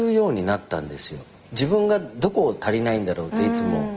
自分がどこを足りないんだろうっていつも。